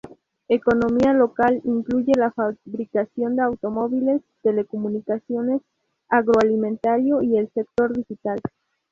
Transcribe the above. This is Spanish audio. Economía local incluye la fabricación de automóviles, telecomunicaciones, agroalimentario y el sector digital.